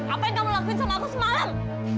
apa yang kamu lakuin sama aku semalam